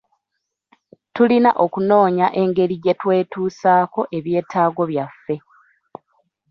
Tulina okunoonya engeri gye twetuusaako ebyetaago byaffe.